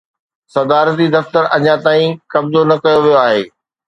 صدارتي دفتر اڃا تائين قبضو نه ڪيو ويو آهي